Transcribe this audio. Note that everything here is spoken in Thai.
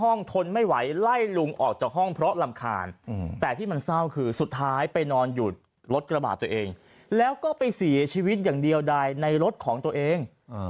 รถกระบาดตัวเองแล้วก็ไปศีลชีวิตอย่างเดียวได้ในรถของตัวเอง